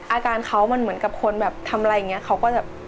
อาการเขามันเหมือนกับคนทำอะไรอย่างนี้